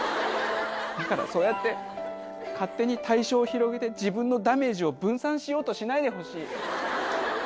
だからそうやって勝手に対象を広げて自分のダメージを分散しようとしないでほしい。